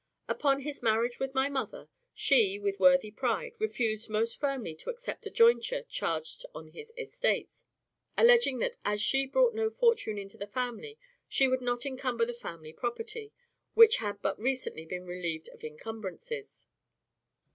Upon his marriage with my mother, she, with worthy pride, refused most firmly to accept a jointure charged on his estates, alleging that as she brought no fortune into the family, she would not incumber the family property, which had but recently been relieved of incumbrances.